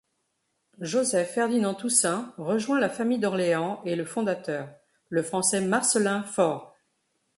Joseph-Ferdinand Toussaint rejoint la famille d'Orléans et le fondateur, le français Marcellin Faure.